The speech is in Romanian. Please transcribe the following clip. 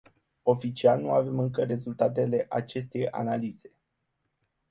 Oficial, nu avem încă rezultatele acestei analize.